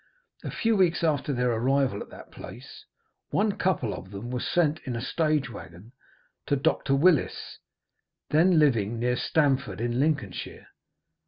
A few weeks after their arrival at that place, one couple of them were sent in a stage waggon to Dr. Willis, then living near Stamford in Lincolnshire.